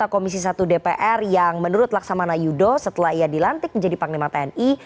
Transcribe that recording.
jadi laksamana yudho sepertinya mengatakan bahwa anggota komisi satu dpr yang menurut laksamana yudho setelah ia dilantik menjadi panglima tni